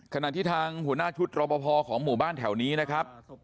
ขณะที่ทางหัวหน้าชุดรอปภของหมู่บ้านแถวนี้นะครับ